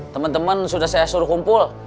teman teman sudah saya suruh kumpul